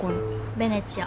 ベネチア。